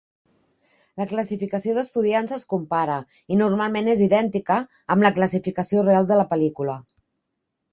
La classificació d'estudiants es compara, i normalment és idèntica, amb la classificació real de la pel·lícula.